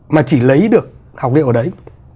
mà chỉ lấy được học liệu ở đấy